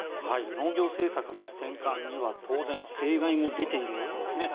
農業政策の転換には当然弊害も出ているわけです。